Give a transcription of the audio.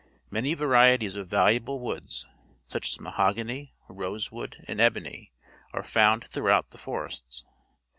Many varieties of valuable woods, such as mahogany, rosewood, and ebony, are found throughout the forests.